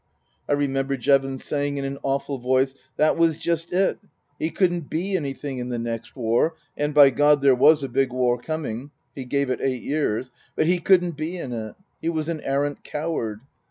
I remember Jevons saying in an awful voice : That was just it. He couldn't be anything in the next war and, by God, there was a big war coming he gave it eight years but he couldn't be in it. He was an arrant coward.